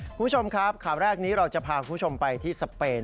คุณผู้ชมครับข่าวแรกนี้เราจะพาคุณผู้ชมไปที่สเปน